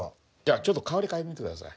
ちょっと香り嗅いでみて下さい。